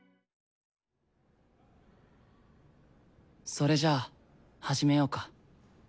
それじゃあ始めようか。